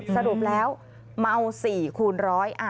สรุปแล้วเมา๔คูณร้อย